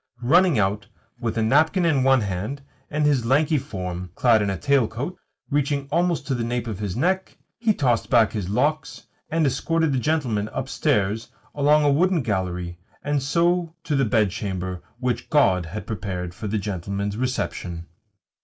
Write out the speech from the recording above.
Running out with a napkin in one hand and his lanky form clad in a tailcoat, reaching almost to the nape of his neck, he tossed back his locks, and escorted the gentleman upstairs, along a wooden gallery, and so to the bedchamber which God had prepared for the gentleman's reception.